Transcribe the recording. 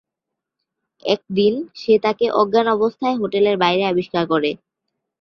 একদিন সে তাকে অজ্ঞান অবস্থায় হোটেলের বাইরে আবিষ্কার করে।